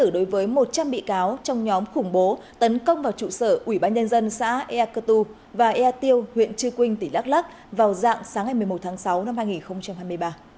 đối với một trăm linh bị cáo trong nhóm khủng bố tấn công vào trụ sở ủy ban nhân dân xã ea cơ tu và ea tiêu huyện trư quynh tỉnh đắk lắc vào dạng sáng ngày một mươi một tháng sáu năm hai nghìn hai mươi ba